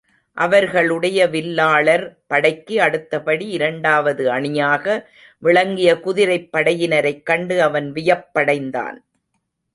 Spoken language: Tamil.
அவர்களுடைய வில்லாளர் படைக்கு அடுத்தபடி இரண்டாவது அணியாக விளங்கிய குதிரைப் படையினரைக் கண்டு, அவன் வியப்படைத்தான்.